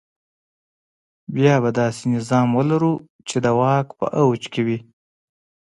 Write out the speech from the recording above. بیا به داسې نظام ولرو چې د واک په اوج کې وي.